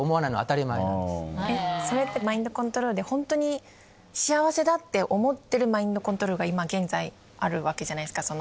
それってマインドコントロールでホントに幸せだって思ってるマインドコントロールが今現在あるわけじゃないですか。